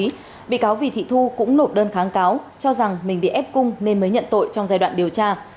trong phiên tòa sơ thẩm bị cáo vì thị thu cũng nộp đơn kháng cáo cho rằng mình bị ép cung nên mới nhận tội trong giai đoạn điều tra